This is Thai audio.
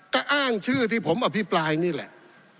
ก็อ้างชื่อที่ผมอภิปรายนี่แหละ